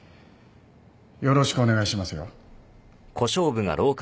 よろしくお願いしますよ。